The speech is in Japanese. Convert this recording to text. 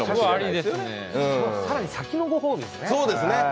更に先のご褒美ですね。